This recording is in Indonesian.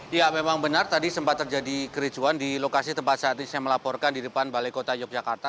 ya memang benar tadi sempat terjadi kericuan di lokasi tempat saat ini saya melaporkan di depan balai kota yogyakarta